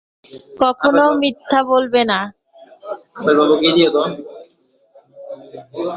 পশ্চিমবঙ্গের আদিবাসী ও লৌকিক দেবদেবীদের সঙ্গে রাজ্যের লোকসংস্কৃতির যোগ অবিচ্ছেদ্য।